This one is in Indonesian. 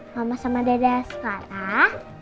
mama sama dada sekarang